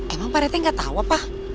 emang pak rt gak tau apa